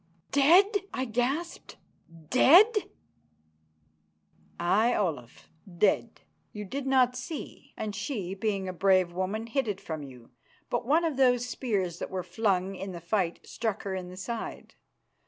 "Dead!" I gasped. "Dead!" "Aye, Olaf, dead. You did not see, and she, being a brave woman, hid it from you, but one of those spears that were flung in the fight struck her in the side.